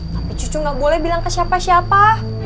tapi cucu nggak boleh bilang ke siapa siapa